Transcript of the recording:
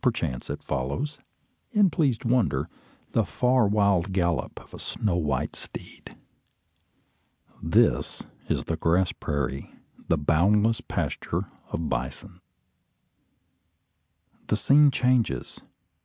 Perchance it follows, in pleased wonder, the far wild gallop of a snow white steed. This is the "grass prairie," the boundless pasture of the bison. The scene changes.